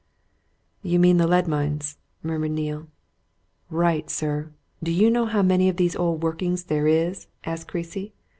"You mean the lead mines?" murmured Neale. "Right, sir! Do you know how many of these old workings there is?" asked Creasy.